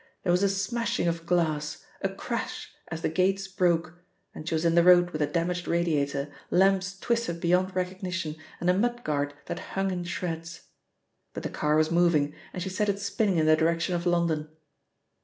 There was a smashing of glass, a crash as the gates broke, and she was in the road with a damaged radiator, lamps twisted beyond recognition, and a mudguard that hung in shreds. But the car was moving, and she set it spinning in the direction of London.